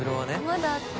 まだあった。